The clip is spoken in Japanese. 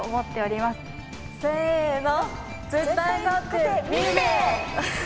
せの！